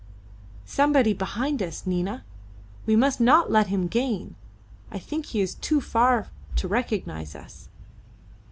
"Somebody behind us, Nina. We must not let him gain. I think he is too far to recognise us."